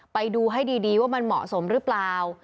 ไปดูให้ดีว่ามันเหมาะสมหรือเปล่า